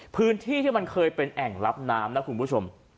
พื้นที่ที่มันเคยเป็นแอ่งรับน้ำนะคุณผู้ชม